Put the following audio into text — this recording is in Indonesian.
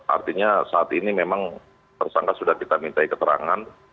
artinya saat ini memang tersangka sudah kita minta keterangan